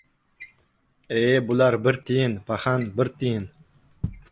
— E-e, bular bir tiyin, paxan, bir tiyin!